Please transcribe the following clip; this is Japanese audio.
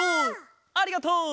ありがとう！